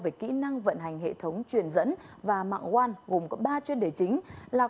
về kỹ năng vận hành hệ thống truyền dẫn và mạng wan gồm có ba chuyên đề chính là